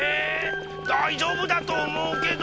だいじょうぶだとおもうけど。